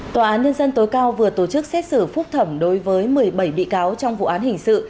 tòa án nhân dân tối cao vừa tổ chức xét xử phúc thẩm đối với một mươi bảy bị cáo trong vụ án hình sự